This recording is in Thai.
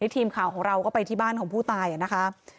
ทีมข่าวของเราก็ไปที่บ้านของผู้ตายนะคะ